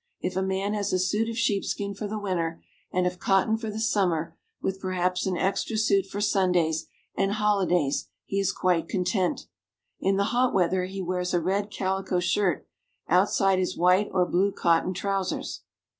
If a man has a suit of sheepskin for the winter and of cotton for the summer, with perhaps an extra suit for Sundays and holidays, he is quite content. In the hot weather he wears a red calico shirt outside his white or blue cotton trousers.